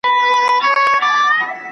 مطالب باید په ساده او هنري ژبه وړاندې سي.